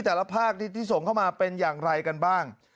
แต่ละภาคที่ส่งเข้ามาเป็นอย่างไรกันบ้าง